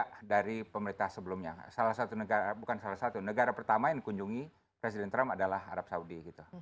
karena itu menurut saya adalah salah satu negara bukan salah satu negara pertama yang kunjungi presiden trump adalah arab saudi